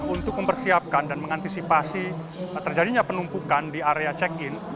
untuk mempersiapkan dan mengantisipasi terjadinya penumpukan di area check in